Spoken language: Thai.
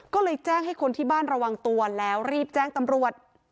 ก็เลยแจ้งให้คนที่บ้านระวังตัวแล้วรีบแจ้งตำรวจ